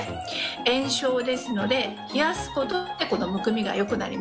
炎症ですので冷やすことでこのむくみが良くなります。